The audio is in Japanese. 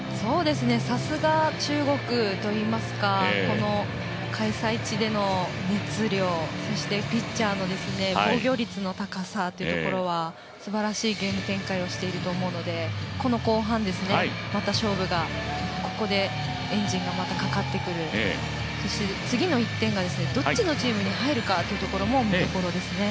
さすが中国といいますかこの開催地での熱量そしてピッチャーの防御率の高さというところはすばらしいゲーム展開をしていると思うのでこの後半、また勝負がここでエンジンがまたかかってくるそして、次の１点がどっちのチームに入るのかというところも見所ですね。